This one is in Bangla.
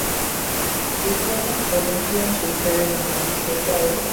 দ্বিতীয় দিন ওলিম্পিয়ান জুপিটারের মন্দির, থিয়েটার ডাইওনিসিয়াস ইত্যাদি সমুদ্রতট পর্যন্ত দেখা গেল।